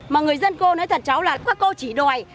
mà người dân cô nói thật cháu là các cô chỉ đòi